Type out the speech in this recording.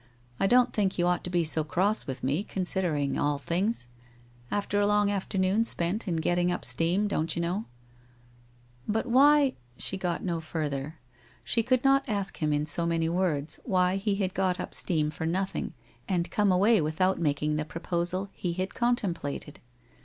I don't think you ought to be so cross with me, considering all things. After a long afternoon spent in getting up steam, don't you know '* But why —?' she got no further. She could not ask him in so many words why he had got up steam for nothing and come away without making the proposal he had contemplated.